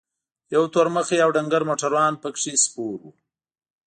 یو تور مخی او ډنګر موټروان پکې سپور و.